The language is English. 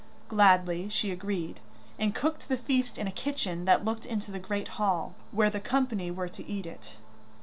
Gladly she agreed, and cooked the feast in a kitchen that looked into the great hall, where the company were to eat it.